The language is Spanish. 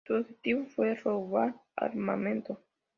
Su objetivo fue robar armamento.